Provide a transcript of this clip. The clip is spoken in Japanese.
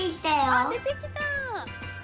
あっでてきた！